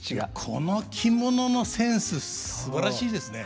この着物のセンスすばらしいですね。